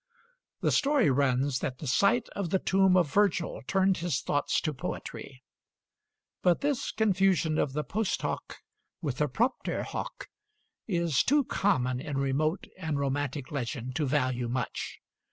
The story runs that the sight of the tomb of Virgil turned his thoughts to poetry; but this confusion of the post hoc with the propter hoc is too common in remote and romantic legend to value much.